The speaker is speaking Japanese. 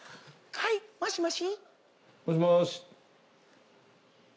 はいもしもし。